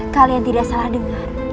kalian tidak salah dengar